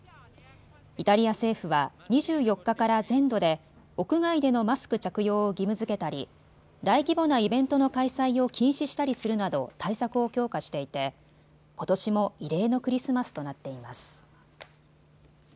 イタリア政府は２４日から全土で屋外でのマスク着用を義務づけたり大規模なイベントの開催を禁止したりするなど対策を強化していてことしも異例のクリスマスとなっています。